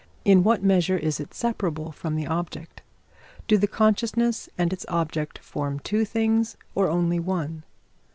In what measure is it separable from the object? Do the consciousness and its object form two things or only one?